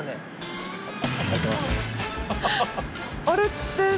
あれって。